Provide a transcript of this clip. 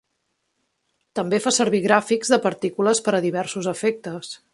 També fa servir gràfics de partícules per a diversos efectes.